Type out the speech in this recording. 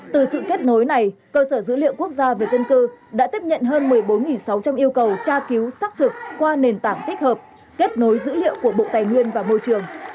từ sự kết nối này cơ sở dữ liệu quốc gia về dân cư đã tiếp nhận hơn một mươi bốn sáu trăm linh yêu cầu tra cứu xác thực qua nền tảng tích hợp kết nối dữ liệu của bộ tài nguyên và môi trường